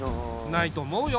ないと思うよ。